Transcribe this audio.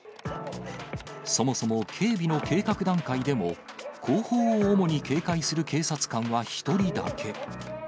そもそも、警備の計画段階でも、後方を主に警戒する警察官は１人だけ。